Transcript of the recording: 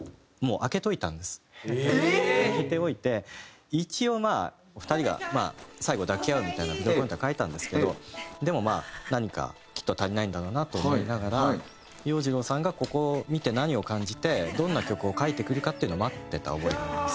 空けておいて一応まあ２人が最後抱き合うみたいなビデオコンテは描いたんですけどでもまあ何かきっと足りないんだろうなと思いながら洋次郎さんがここを見て何を感じてどんな曲を書いてくるかっていうのを待ってた覚えがあります。